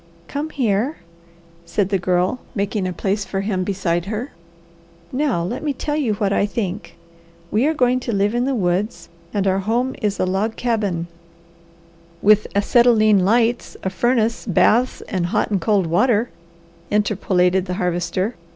"Come here," said the Girl, making a place for him beside her. "Now let me tell you what I think. We are going to live in the woods, and our home is a log cabin " "With acetylene lights, a furnace, baths, and hot and cold water " interpolated the Harvester.